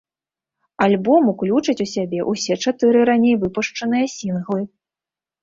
Альбом уключыць у сябе ўсе чатыры раней выпушчаныя сінглы.